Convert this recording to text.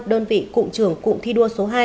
đơn vị cụm trưởng cụm thi đua số hai